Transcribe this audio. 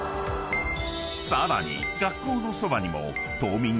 ［さらに学校のそばにも島民が］